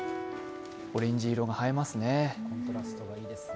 オレンジ色が映えますね。